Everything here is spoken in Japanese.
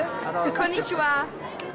こんにちは。